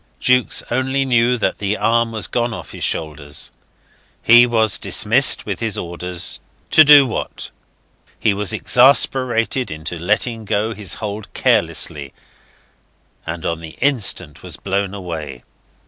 Jukes only knew that the arm was gone off his shoulders. He was dismissed with his orders to do what? He was exasperated into letting go his hold carelessly, and on the instant was blown away.